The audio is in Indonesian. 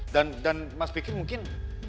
dan mas pikir mungkin